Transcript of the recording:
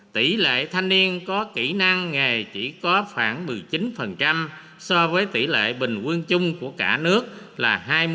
tỷ lệ thanh niên có kỹ năng nghề chỉ có khoảng một mươi chín so với tỷ lệ bình quân chung của cả nước là hai mươi